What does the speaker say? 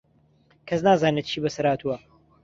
کەس نازانێت چی بەسەر هاتووە.